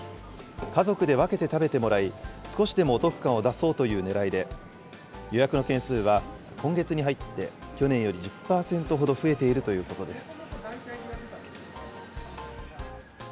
家族で分けて食べてもらい、少しでもお得感を出そうというねらいで、予約の件数は今月に入って去年より１０％ほど増えているということです。